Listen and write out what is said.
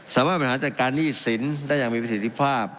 สามารถบริหารจัดการหนี้สินได้อย่างมีประสิทธิภาพ